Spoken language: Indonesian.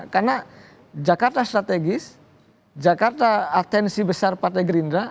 karena jakarta strategis jakarta atensi besar partai gerindra